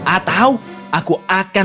atau aku akan